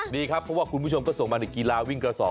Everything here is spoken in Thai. ดีครับเพราะว่าคุณผู้ชมก็ส่งมาในกีฬาวิ่งกระสอบ